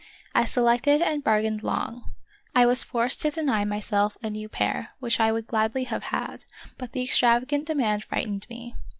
I selected and bargained long. I was forced to deny myself a new pair which I would gladly have had, but the extrava gant demand frightened me.